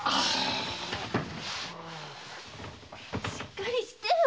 しっかりしてよ